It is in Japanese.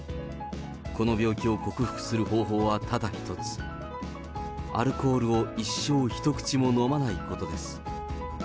この病気を克服する方法はただ一つ、アルコールを一生一口も飲まないことです。